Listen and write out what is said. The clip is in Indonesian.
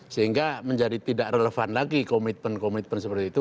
sehingga menjadi tidak relevan lagi komitmen komitmen seperti itu